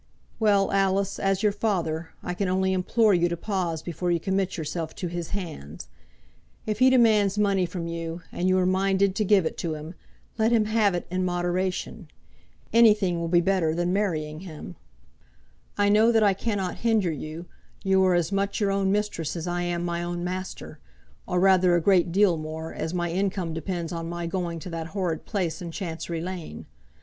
"Well, Alice, as your father, I can only implore you to pause before you commit yourself to his hands. If he demands money from you, and you are minded to give it to him, let him have it in moderation. Anything will be better than marrying him. I know that I cannot hinder you; you are as much your own mistress as I am my own master, or rather a great deal more, as my income depends on my going to that horrid place in Chancery Lane.